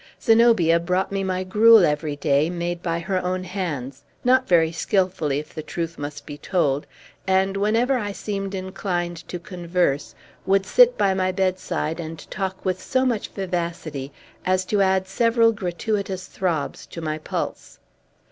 Zenobia brought me my gruel every day, made by her own hands (not very skilfully, if the truth must be told), and, whenever I seemed inclined to converse, would sit by my bedside, and talk with so much vivacity as to add several gratuitous throbs to my pulse.